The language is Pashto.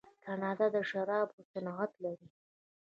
کاناډا د شرابو صنعت لري.